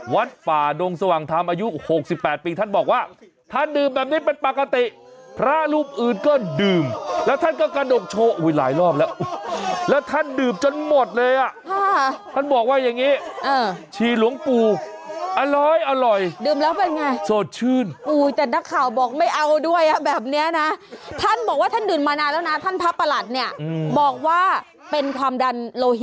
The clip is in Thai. วัดฝ่าดงสว่างธรรมอายุ๖๘ปีท่านบอกว่าท่านดื่มแบบนี้เป็นปกติพระรูปอื่นก็ดื่มแล้วท่านก็กระดกโชว์อุ้ยหลายรอบแล้วแล้วท่านดื่มจนหมดเลยอ่ะท่านบอกว่าอย่างงี้ชี่หลวงปูอร้อยอร่อยดื่มแล้วเป็นไงโสดชื่นอุ้ยแต่นักข่าวบอกไม่เอาด้วยอ่ะแบบเนี้ยนะท่านบอกว่าท่านดื่มมานาน